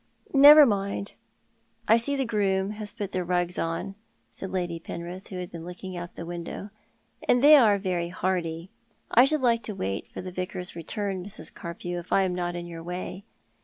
Never mind, I see the groom has put their rugs on," said Lady Penrith, who had been looking out of the window; "and they are very hardy. I should like to wait for the Vicar's return, Mrs. Carpew, if I am not in your way